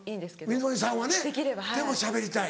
水森さんはねでもしゃべりたい。